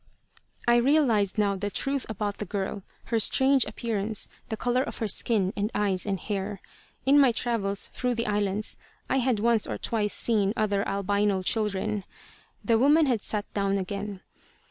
I realized cow the truth about the girl; her strange appearance, the color of her skin and eyes and hair. In my travels through the islands I had once or twice seen other albino children. The woman had sat down again.